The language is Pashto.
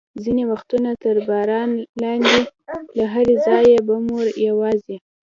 ځینې وختونه تر باران لاندې، له لرې ځایه به مو یوازې.